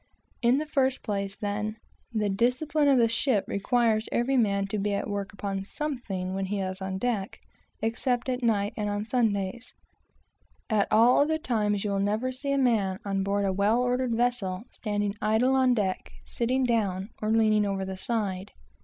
In the first place, then, the discipline of the ship requires every man to be at work upon something when he is on deck, except at night and on Sundays. Except at these times, you will never see a man, on board a well ordered vessel, standing idle on deck, sitting down, or leaning over the side.